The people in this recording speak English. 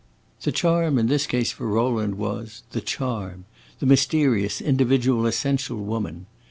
The charm in this case for Rowland was the charm! the mysterious, individual, essential woman.